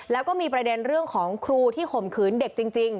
แล้วก็มีประเด็นเรื่องของครูที่ข่มขืนเด็กจริง